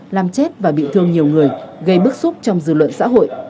làm chết và bị thương nhiều người gây bức xúc trong dư luận xã hội